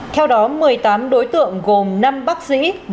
theo đó một mươi tám đối tượng gồm năm bác sĩ